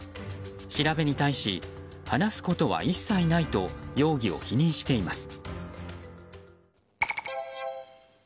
調べに対し話すことは一切ないと容疑を否認しています。